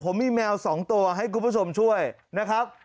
ผมมีแมว๒ตัวให้คุณผู้ชมช่วยนะครับ